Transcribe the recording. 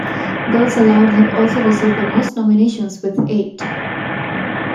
Girls Aloud have also received the most nominations, with eight.